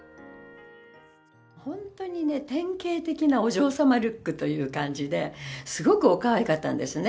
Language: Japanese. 本当にね、典型的なお嬢様ルックという感じで、すごくおかわいかったんですね。